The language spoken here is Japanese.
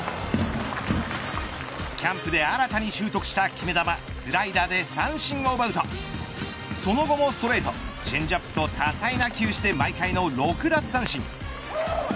キャンプで新たに習得した決め球スライダーで三振を奪うとその後もストレート、チェンジアップと多彩な球種で毎回の６奪三振。